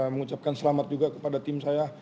mengucapkan selamat juga kepada tim saya